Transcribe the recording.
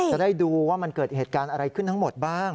จะได้ดูว่ามันเกิดเหตุการณ์อะไรขึ้นทั้งหมดบ้าง